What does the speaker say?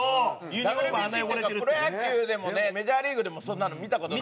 ＷＢＣっていうかプロ野球でもねメジャーリーグでもそんなの見た事ない。